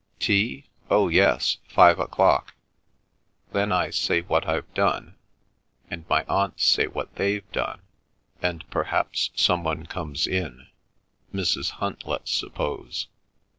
"Tea? Oh yes. Five o'clock. Then I say what I've done, and my aunts say what they've done, and perhaps some one comes in: Mrs. Hunt, let's suppose.